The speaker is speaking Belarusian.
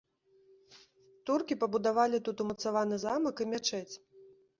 Туркі пабудавалі тут умацаваны замак і мячэць.